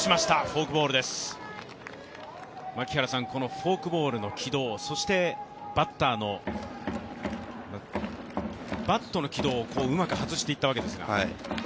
フォークボールの軌道、そしてバッターのバットの軌道をうまく外していったわけですが。